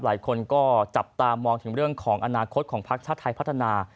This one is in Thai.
หลายคนก็จับตามองถึงเรื่องของอนาคตของพักชาติไทยพัฒนา